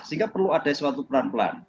sehingga perlu ada suatu pelan pelan